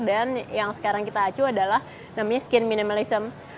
dan yang sekarang kita acu adalah namanya skin minimalism